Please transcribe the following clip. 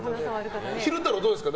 昼太郎、どうですか？